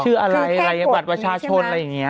ชื่ออะไรอะไรบัตรประชาชนอะไรอย่างนี้